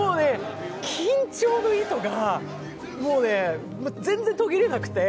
緊張の糸が、全然途切れなくて。